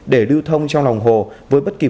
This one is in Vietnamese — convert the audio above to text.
để lưu thông trong lòng hồ với bất kỳ